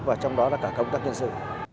và trong đó là cả công tác nhân sự